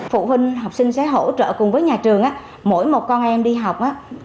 phụ huynh học sinh sẽ hỗ trợ cùng với nhà trường mỗi một con em đi học